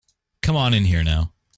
Come on in here now.